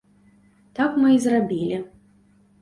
Так мы і зрабілі.